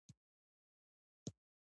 مورغاب سیند د افغان کلتور سره تړاو لري.